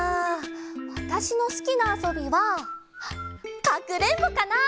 わたしのすきなあそびはかくれんぼかな！